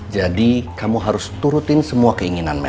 jadi kamu harus turutin semua keinginanmu